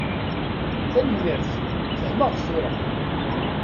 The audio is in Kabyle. Tanemmirt, fehmeɣ-d tura.